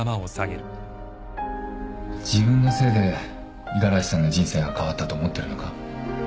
自分のせいで五十嵐さんの人生が変わったと思ってるのか？